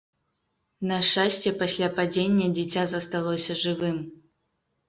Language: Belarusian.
На шчасце, пасля падзення дзіця засталося жывым.